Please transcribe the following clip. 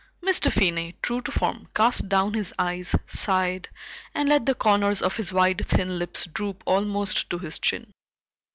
Mr. Finney, true to form, cast down his eyes, sighed, and let the corners of his wide thin lips droop almost to his chin.